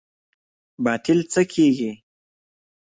باطل څه کیږي؟